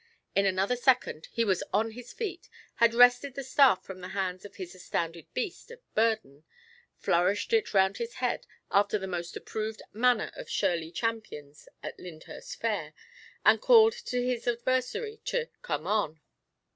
In another second he was on his feet, had wrested the staff from the hands of his astounded beast of burden, flourished it round his head after the most approved manner of Shirley champions at Lyndhurst fair, and called to his adversary to "come on."